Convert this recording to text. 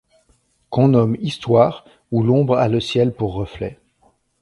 Qu'on nomme histoire, où l'ombre a le ciel pour reflet